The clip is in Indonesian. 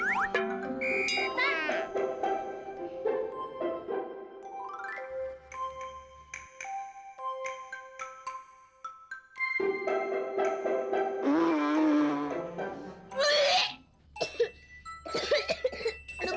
aduh bau banget